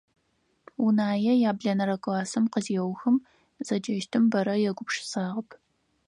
Унае яблэнэрэ классыр къызеухым, зэджэщтым бэрэ егупшысагъэп.